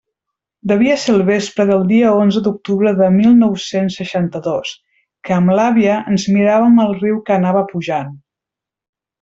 Devia ser el vespre del dia onze d'octubre de mil nou-cents seixanta-dos, que amb l'àvia ens miràvem el riu que anava pujant.